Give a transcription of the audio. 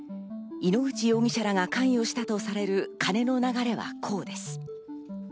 井ノ口容疑者らが関与したとされる金の流れはこうです。